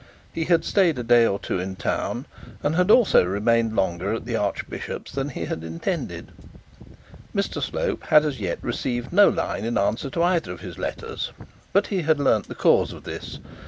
He had stayed a day or two in town, and had also remained longer at the archbishop's than he had intended. Mr Slope had as yet received no line in answer to either of his letters; but he had learnt the cause of this.